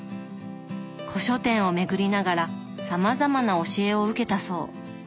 古書店を巡りながらさまざまな教えを受けたそう。